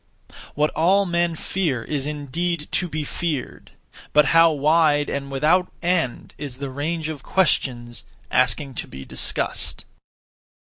What all men fear is indeed to be feared; but how wide and without end is the range of questions (asking to be discussed)!